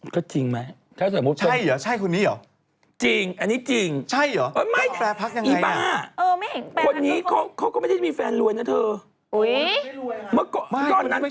ก็จริงไหมถ้าสมมุติคนนี้เหรอใช่คนนี้เหรอ